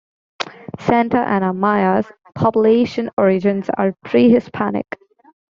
Santa Ana Maya's population origins are pre-Hispanic.